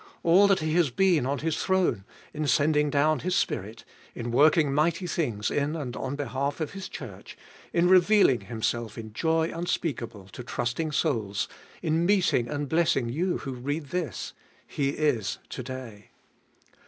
All that He has been on His throne, in sending down His Spirit, in working mighty things in and on behalf of His Church, in revealing Himself in joy unspeakable to trusting souls, in meeting and blessing you who read this, — He is to day.